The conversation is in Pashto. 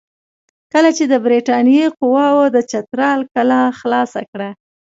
کله چې د برټانیې قواوو د چترال کلا خلاصه کړه.